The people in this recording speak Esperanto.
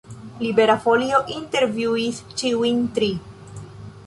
Libera Folio intervjuis ĉiujn tri.